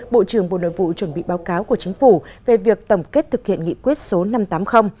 bộ trưởng bộ nội vụ chuẩn bị báo cáo của chính phủ về việc tổng kết thực hiện nghị quyết số năm trăm tám mươi